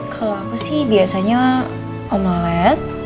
kalo aku sih biasanya omelette